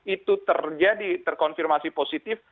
itu terjadi terkonfirmasi positif